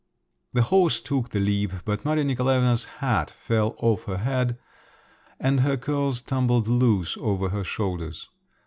The horse took the leap, but Maria Nikolaevna's hat fell off her head, and her curls tumbled loose over her shoulders.